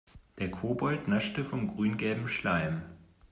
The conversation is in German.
Der Kobold naschte vom grüngelben Schleim.